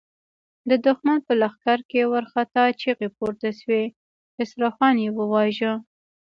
د دښمن په لښکر کې وارخطا چيغې پورته شوې: خسرو خان يې وواژه!